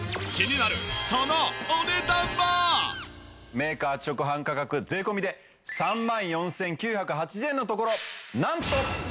メーカー直販価格税込で３万４９８０円のところなんと。